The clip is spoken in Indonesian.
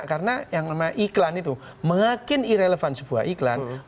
karena yang namanya iklan itu makin irrelevant sebuah iklan makin iklan itu